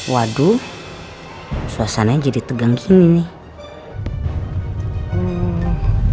waduh suasananya jadi tegang gini